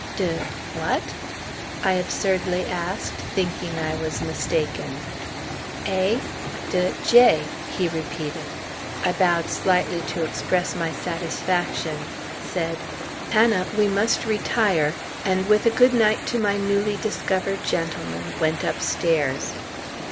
"De What?" I absurdly asked, thinking I was mistaken. "A de J " he repeated. I bowed slightly to express my satisfaction, said, "Anna, we must retire," and with a good night to my newly discovered gentleman, went upstairs.